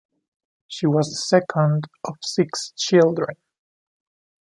She was the second of six children.